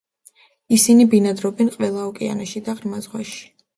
ისინი ბინადრობენ ყველა ოკეანეში და ღრმა ზღვაში.